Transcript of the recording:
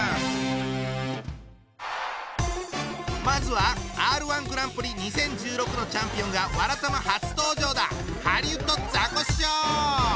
まずはＲ−１グランプリ２０１６のチャンピオンが「わらたま」初登場だ！